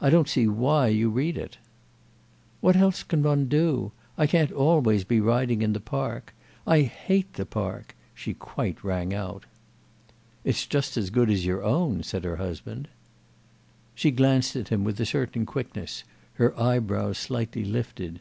"I don't see why you read it." "What else can I do? I can't always be riding in the Park. I hate the Park," she quite rang out. "It's just as good as your own," said her husband. She glanced at him with a certain quickness, her eyebrows slightly lifted.